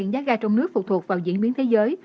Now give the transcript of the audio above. giá gà trong nước phụ thuộc vào diễn biến thế giới